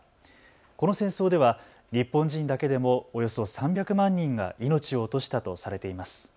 この戦争では日本人だけでもおよそ３００万人が命を落としたとされています。